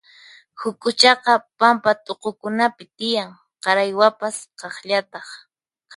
Huk'uchaqa pampa t'uqukunapi tiyan, qaraywapas kaqllataq.